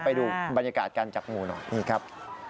ไปดูบรรยากาศการจับงูหน่อยนี่ครับ